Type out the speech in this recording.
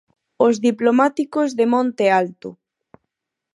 Os Diplomáticos de Monte Alto.